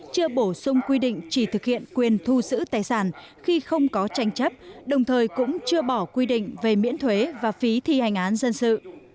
chưa bổ sung quy định chỉ thực hiện quyền thu giữ tài sản khi không có tranh chấp đồng thời cũng chưa bỏ quy định về miễn thuế và phí thi hành án dân sự